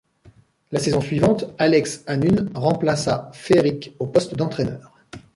La saison suivante, Alex Hannum remplaça Feerick au poste d'entraîneur.